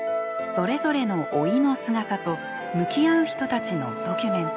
それぞれの老いの姿と向き合う人たちのドキュメント。